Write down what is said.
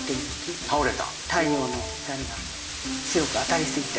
太陽の光が強く当たりすぎて。